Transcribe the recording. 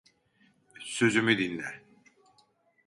Sözümü dinle.